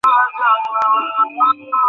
Sir, তাকে তো এই মিশনে আপনিই নিযুক্ত করলেন।